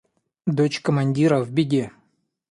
Дочь командира в беде!